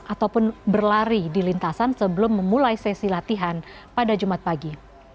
ataupun berlari di lintasan sebelum memulai sesi latihan pada jumat pagi